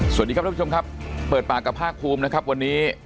สวัสดีครับทุกผู้ชมครับเปิดปากกับภาคภูมินะครับวันนี้